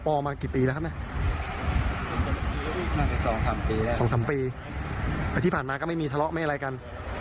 ๒๓ปีแล้วที่ผ่านมาก็ไม่มีทะเลาะไม่มีอะไรกัน